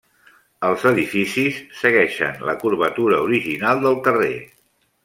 Els edificis segueixen la curvatura original del carrer.